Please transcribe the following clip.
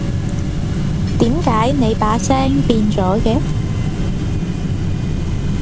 點解你把聲變咗嘅？